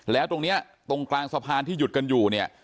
แล้วตรงนี้ตรงกลางสะพานที่หยุดกันอยู่เนี่ย